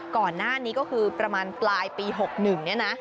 ก่อนหน้านี้ก็คือประมาณปลายปี๖๑เนี่ยนะ